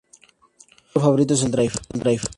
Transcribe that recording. Su tiro favorito es el drive.